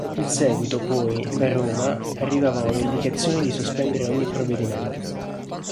In seguito poi, da Roma, arrivavano le indicazioni di sospendere ogni provvedimento.